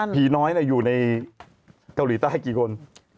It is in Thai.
ผีน้อยอยู่ในเกาหลีใต้กี่คน